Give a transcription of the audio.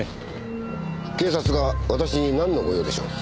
警察が私になんの御用でしょう。